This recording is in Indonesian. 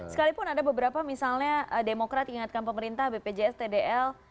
sekalipun ada beberapa misalnya demokrat ingatkan pemerintah bpjs tdl